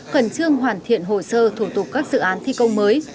khẩn trương hoàn thiện hồ sơ thủ tục các dự án thi công mới